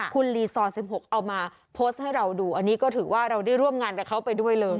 ต้องการยังคิดอยู่เลยว่าปีนี้จะได้เล่นหรือเปลี่ยน